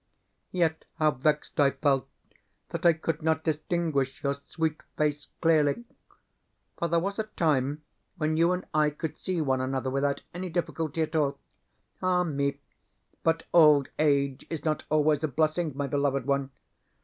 Yet how vexed I felt that I could not distinguish your sweet face clearly! For there was a time when you and I could see one another without any difficulty at all. Ah me, but old age is not always a blessing, my beloved one!